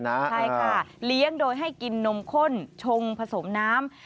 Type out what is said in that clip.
ใช่ค่ะเลี้ยงโดยให้กินนมข้นชงผสมน้ำ